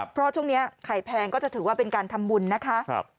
เพราะช่วงนี้ไข่แพงก็จะถือว่าเป็นการทำบุญนะคะ